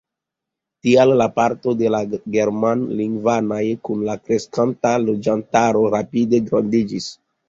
Tial la parto de la germanlingvanoj kun la kreskanta loĝantaro rapide grandiĝis.